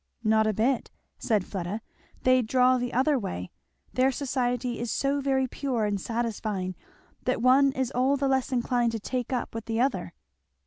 "Not a bit," said Fleda, "they draw the other way; their society is so very pure and satisfying that one is all the less inclined to take up with the other."